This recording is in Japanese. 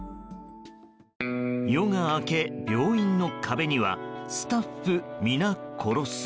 夜が明け、病院の壁には「スタッフ皆コロス」。